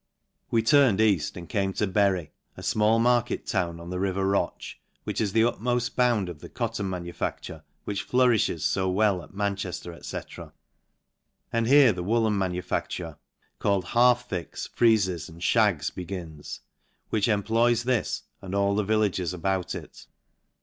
We turned eaft, and came to Bury, a fmall mar ket town on the river Roch, which is the utmoft bound of the cotton manufacture, which flourifhes fo well at Manchefler, &c. And here the woollen I manufacture, called half thicks, frizes, and ihags begins, which employs this, and all the villages about it.